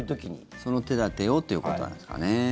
その手立てをということなんですかね。